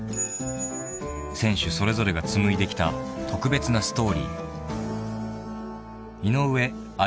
［選手それぞれが紡いできた特別なストーリー］